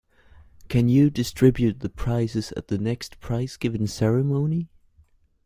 Can you distribute the prizes at the next prize-giving ceremony?